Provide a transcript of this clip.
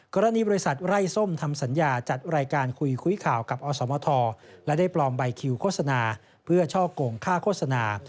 กรณีบริษัทไร้ส้มทำสัญญาจัดรายการคุยคุยข่าวกับอสมทและได้ปลอมใบคิวโฆษณาเพื่อช่อกงค่าโฆษณา